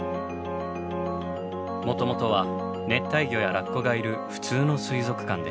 もともとは熱帯魚やラッコがいる普通の水族館でした。